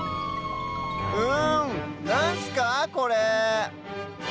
うんなんすかこれ？